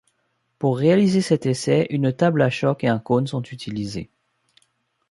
Pour réaliser cet essai une table à choc et un cône sont utilisés.